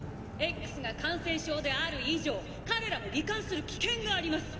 Ｘが感染症である以上彼らも罹患する危険があります！